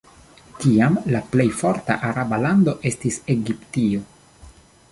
Tiam, la plej forta araba lando estis Egiptio.